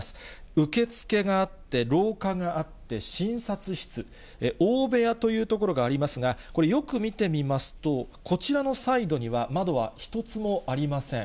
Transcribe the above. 受付があって、廊下があって診察室、大部屋という所がありますが、これ、よく見てみますと、こちらのサイドには窓は一つもありません。